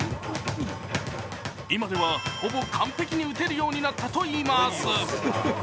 今では、ほぼ完璧に打てるようになったといいます。